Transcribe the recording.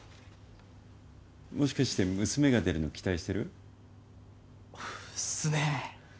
もしかして娘が出るの期待してる？っすねえ。